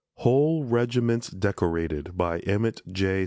WHOLE REGIMENTS DECORATED EMMETT J.